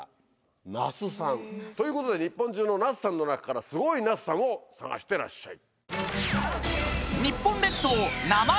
「那須さん」。ということで日本中の那須さんの中からスゴイ那須さんを探してらっしゃい。